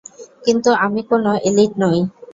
কিন্তু আমি কোনো এলিট নই।